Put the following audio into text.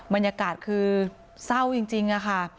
บรรยากาศคือเศร้าจริงค่ะ